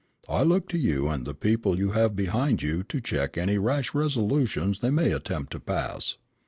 I look to you and the people you may have behind you to check any rash resolutions they may attempt to pass.